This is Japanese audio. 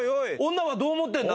女はどう思ってんだ？